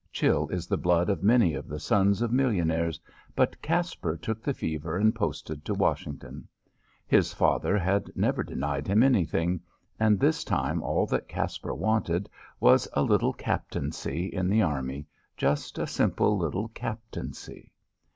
Chill is the blood of many of the sons of millionaires, but Caspar took the fever and posted to Washington. His father had never denied him anything, and this time all that Caspar wanted was a little Captaincy in the Army just a simple little Captaincy.